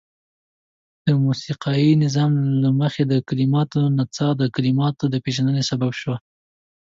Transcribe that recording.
د موسيقايي نظام له مخې د کليماتو نڅاه د کليماتو د پيژندني سبب شوه.